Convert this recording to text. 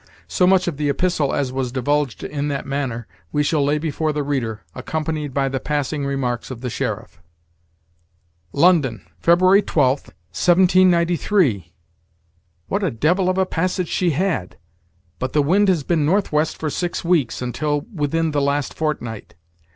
So much of the epistle as was divulged in that manner, we shall lay before the reader, accompanied by the passing remarks of the sheriff: "'London, February 12, 1793.' What a devil of a passage she had! but the wind has been northwest for six weeks, until within the last fortnight.